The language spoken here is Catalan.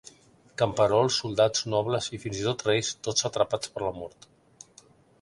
Camperols, soldats, nobles i fins i tot reis, tots atrapats per la Mort.